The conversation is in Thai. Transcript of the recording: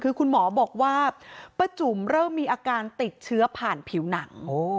คือคุณหมอบอกว่าป้าจุ๋มเริ่มมีอาการติดเชื้อผ่านผิวหนัง